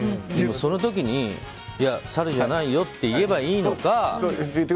その時に、サルじゃないよって言えばいいのか。